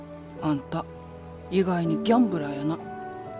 あんた意外にギャンブラーやな。